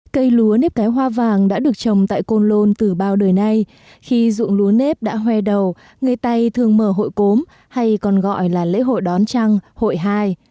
cây lúa nếp cái hoa vàng đã được trồng tại côn lôn từ bao đời nay khi ruộng lúa nếp đã hoe đầu người tây thường mở hội cốm hay còn gọi là lễ hội đón trăng hội hai